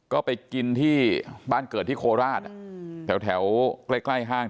ก็ไปกินที่บ้านเกิดที่โคราชแถวใกล้ห้าง